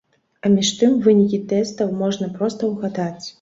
А між тым, вынікі тэстаў можна проста ўгадаць.